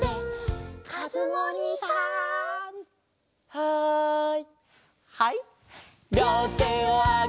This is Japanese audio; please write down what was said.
はい！